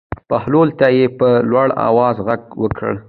بهلول ته یې په لوړ آواز غږ وکړ.